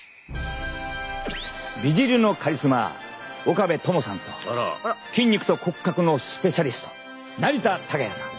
美尻のカリスマ岡部友さんと筋肉と骨格のスペシャリスト成田崇矢さん。